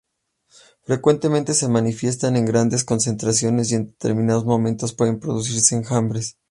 Frecuentemente se manifiestan en grandes concentraciones y en determinados momentos pueden producirse enjambres.